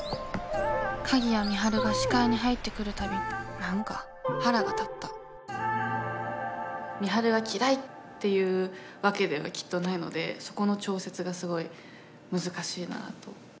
鍵谷美晴が視界に入ってくるたび何か腹が立った美晴が嫌いっていうわけではきっとないのでそこの調節がすごい難しいなと。